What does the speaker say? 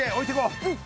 うん。